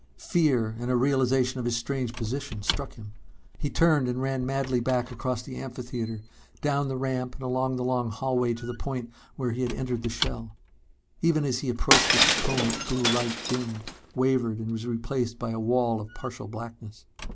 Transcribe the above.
Fear and a realization of his strange position struck him. He turned and ran madly back across the amphitheater, down the ramp and along the long hallway to the point where he had entered the shell. Even as he approached it the cone of blue light dimmed, wavered and was replaced by a wall of partial blackness.